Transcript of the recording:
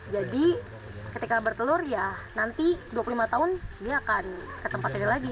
jadi ketika bertelur nanti dua puluh lima tahun dia akan ke tempat ini lagi